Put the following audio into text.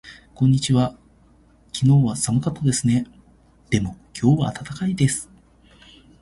こんにちは。昨日は寒かったですね。でも今日は暖かいです。